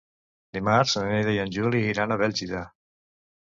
Dimarts na Neida i en Juli iran a Bèlgida.